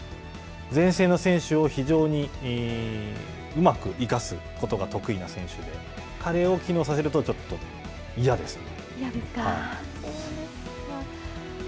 前線の選手を非常にうまく生かすことが得意な選手で、彼を機能さ嫌ですか。